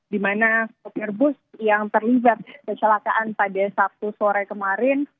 di mana software booth yang terlibat kesilakan pada sabtu sore kemarin